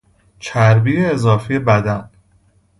چربی اضافی بدن